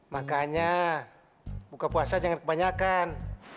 makanya buka puasa jangan kebanyakan